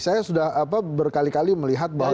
saya sudah berkali kali melihat bahwa